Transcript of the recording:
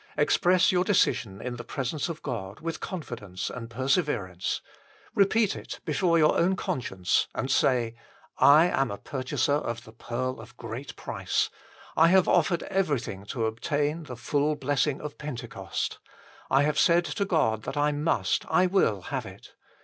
Express your decision in the presence of God with confidence and perse verance. Repeat it before your own conscience and say :" I am a purchaser of the pearl of great price : I have offered everything to obtain the full blessing of Pentecost. I have said to God that I must, I will have it.